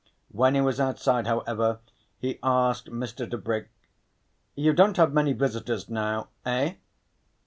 When he was outside, however, he asked Mr. Tebrick: "You don't have many visitors now, eh?"